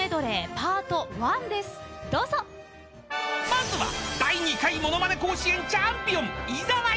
［まずは第２回ものまね甲子園チャンピオン］